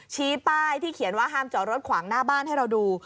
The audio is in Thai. ชี้ป้ายที่เขียนว่าห้ามจอดรถขวางหน้าบ้านให้เราดู